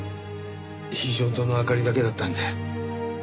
非常灯の明かりだけだったんで。